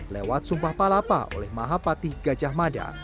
lewat sumpah palapa oleh mahapati gajah mada